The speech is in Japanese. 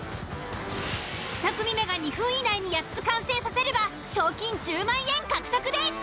２組目が２分以内に８つ完成させれば賞金１０万円獲得です。